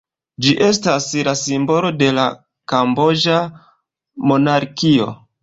Ĝi estas la simbolo de la kamboĝa monarkio.